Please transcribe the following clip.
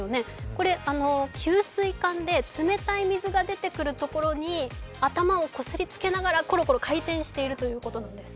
これ給水管で冷たい水が出てくるところに頭をこすりつけながらコロコロ回転しているというところなんです。